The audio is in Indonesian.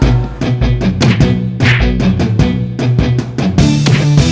udah udah percaya sama caranya dut